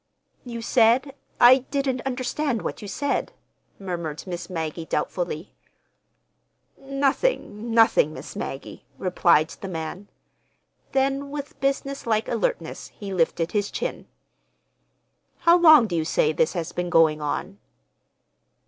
"You said—I didn't understand what you said," murmured Miss Maggie doubtfully. "Nothing—nothing, Miss Maggie," replied the man. Then, with businesslike alertness, he lifted his chin. "How long do you say this has been going on?"